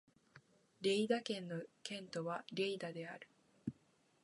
リェイダ県の県都はリェイダである